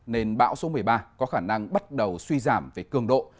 nên bão số một mươi ba có khả năng bắt đầu suy giảm về cường độ